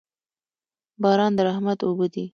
باران د رحمت اوبه دي